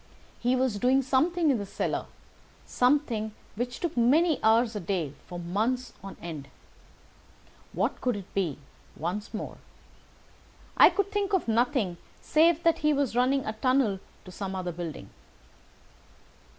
He was doing something in the cellar—something which took many hours a day for months on end. What could it be, once more? I could think of nothing save that he was running a tunnel to some other building.